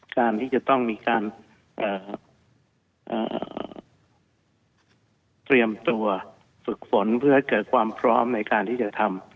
การที่จะต้องมีการเตรียมตัวฝึกฝนเพื่อให้เกิดความพร้อมในการที่จะทำ